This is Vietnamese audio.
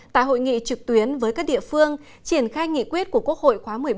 tại hội nghị trực tuyến với các địa phương triển khai nghị quyết của quốc hội khóa một mươi bốn